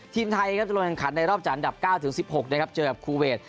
ทีมไทยครับจะลงแข่งขันในรอบจัดอันดับ๙ถึง๑๖นะครับเจอกับคูเวท